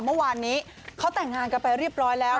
เมื่อวานนี้เขาแต่งงานกันไปเรียบร้อยแล้ว